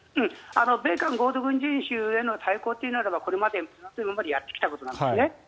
米韓合同軍事演習への対抗というのであればこれまで、今までやってきたことなんですね。